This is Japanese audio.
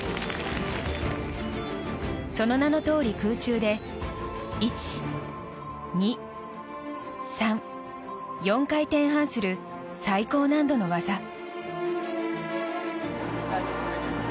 その名のとおり、空中で４回転半する最高難度の技。